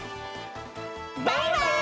バイバイ！